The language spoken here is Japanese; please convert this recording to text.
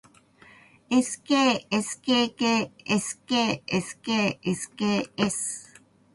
skskksksksks